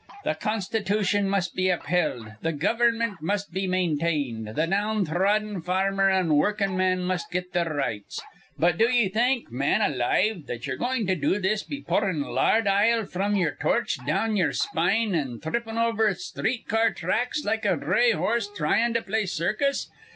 Th' Constitution must be upheld, th' gover'mint must be maintained, th' down throdden farmer an' workin'man must get their rights. But do ye think, man alive, that ye're goin' to do this be pourin' lard ile frim ye'er torch down ye'er spine or thrippin' over sthreet car tracks like a dhray horse thryin' to play circus?